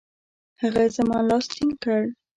هغه زما لاس ټینګ کړ.